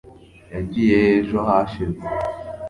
yagiyeyo ejo hashize